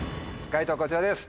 解答はこちらです。